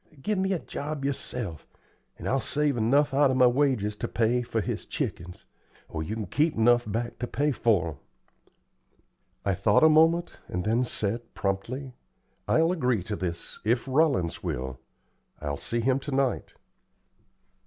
Give me a job yerself, and I'll save enough out o' my wages to pay for his chickens, or you kin keep 'nuff back to pay for 'em." I thought a moment, and then said, promptly: "I'll agree to this if Rollins will. I'll see him to night."